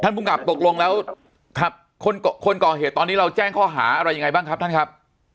ภูมิกับตกลงแล้วครับคนก่อเหตุตอนนี้เราแจ้งข้อหาอะไรยังไงบ้างครับท่านครับ